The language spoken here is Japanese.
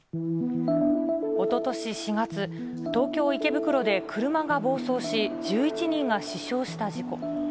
おととし４月、東京・池袋で車が暴走し、１１人が死傷した事故。